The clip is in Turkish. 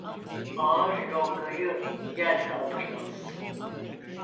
Ağır yongayı yel kaldırmaz.